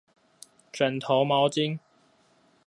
枕頭毛巾